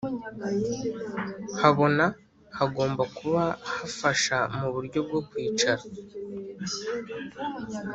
habona. Hagomba kuba hafasha mu buryo bwo kwicara